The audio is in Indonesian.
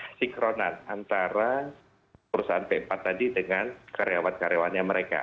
kesinkronan antara perusahaan p empat tadi dengan karyawan karyawannya mereka